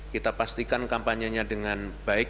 kita pastikan kampanyenya dengan baik